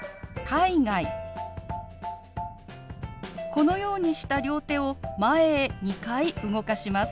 このようにした両手を前へ２回動かします。